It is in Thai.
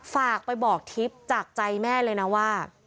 ฝากไปบอกทิพย์จากใจแม่เลยนะว่า